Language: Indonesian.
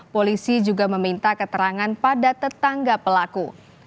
polisi juga meminta keterangan pada tetangga pelaku